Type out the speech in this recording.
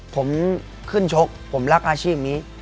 ผมขึ้นชกผมรักอาชีพนี้